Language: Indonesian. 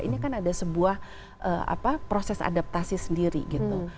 ini kan ada sebuah proses adaptasi sendiri gitu